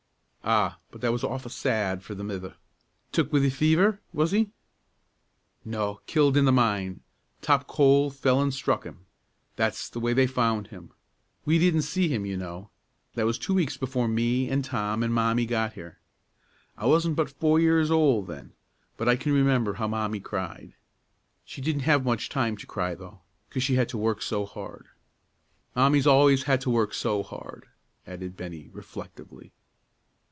"Ah, but that was awfu' sad for the mither! Took wi' the fever, was he?" "No; killed in the mine. Top coal fell an' struck him. That's the way they found him. We didn't see him, you know. That was two weeks before me an' Tom an' Mommie got here. I wasn't but four years old then, but I can remember how Mommie cried. She didn't have much time to cry, though, 'cause she had to work so hard. Mommie's al'ays had to work so hard," added Bennie, reflectively.